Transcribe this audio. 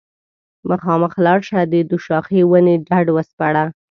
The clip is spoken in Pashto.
مخامخ لاړه شه د دوشاخې ونې ډډ وسپړه